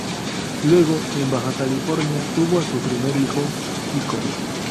Luego, en Baja California, tuvo a su primer hijo, Kiko.